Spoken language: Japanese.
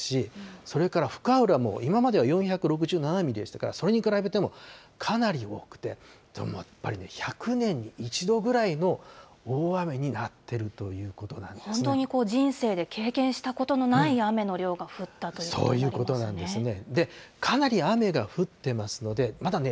この３８８．９ミリよりもかなり多いですし、それから深浦も今までは４６７ミリでしたから、それに比べてもかなり多くて、でもやっぱり１００年に１度くらいの大雨になっ本当に人生で経験したことのない雨の量が降ったということなんですね。